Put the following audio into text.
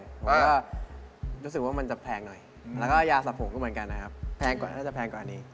ผมก็รู้สึกว่ามันจะแพงหน่อยแล้วก็ยาสะโผงก็เหมือนกันนะครับ